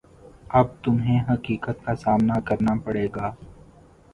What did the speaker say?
اب تمہیں حقیقت کا سامنا کرنا پڑے گا